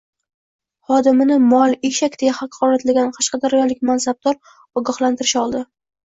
Xodimini “mol”, “eshak” deya haqoratlagan qashqadaryolik mansabdor ogohlantirish oldi